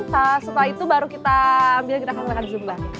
setelah itu baru kita ambil gerakan gerakan di jumlah